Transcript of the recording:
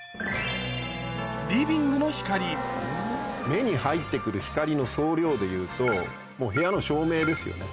目に入って来る光の総量でいうともう部屋の照明ですよね